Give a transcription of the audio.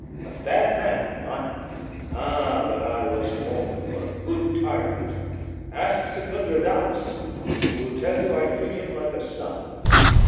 A bad man, am I? Ah! but I was born for a good tyrant! Ask Secundra Dass; he will tell you I treat him like a son.